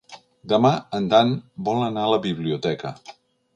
Demà en Dan vol anar a la biblioteca.